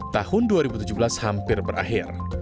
tahun dua ribu tujuh belas hampir berakhir